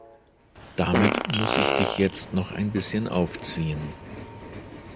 Damit muss ich dich jetzt noch ein bisschen aufziehen.